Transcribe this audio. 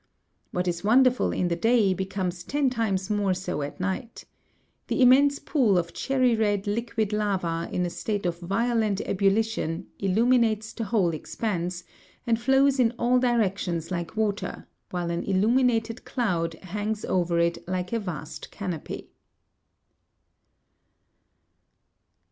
"What is wonderful in the day, becomes ten times more so at night. The immense pool of cherry red liquid lava, in a state of violent ebullition, illuminates the whole expanse, and flows in all directions like water, while an illuminated cloud hangs over it like a vast canopy."